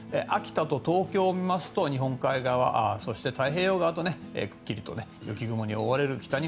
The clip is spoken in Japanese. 秋田と東京を見ますと日本海側、そして太平洋側と雪雲に覆われると。